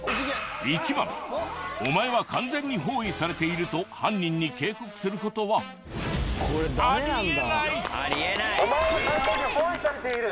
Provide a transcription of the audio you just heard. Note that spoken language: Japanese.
「お前は完全に包囲されている」と犯人に警告することはお前は完全に包囲されている！